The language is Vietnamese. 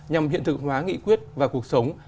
nhằm hiện thực hóa nghị quyết và cuộc sống